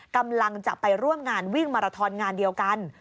กำลังจะไปร่วมงานวิ่งมาราทอนงานเดียวกัน